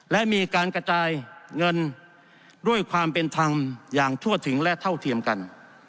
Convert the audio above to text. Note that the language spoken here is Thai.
และมีการกระจายเงินด้วยความเป็นธรรมอย่างทั่วถึงและเท่าเทียมกัน